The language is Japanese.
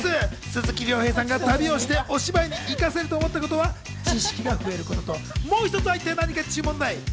鈴木亮平さんが旅をしてお芝居に生かせると思ったことは知識が増えることともう一つは一体何かという問題。